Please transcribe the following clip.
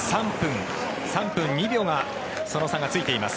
３分２秒その差がついています。